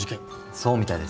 そうみたいですね。